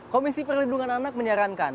komisi perlindungan anak menyarankan